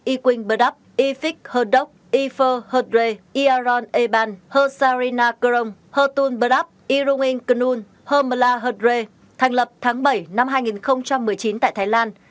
ewing burdap ifig hurdok ife hurdre iaron eban hursarina gurung hurtun burdap irungin kunun humla hurdre thành lập tháng bảy năm hai nghìn một mươi chín tại thái lan